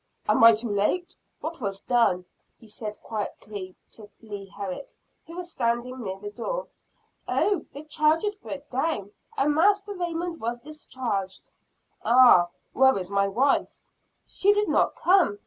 "Am I too late? What was done?" he said quickly to Leah Herrick, who was standing near the door. "Oh, the charge broke down, and Master Raymond was discharged." "Ah! Where is my wife?" "She did not come.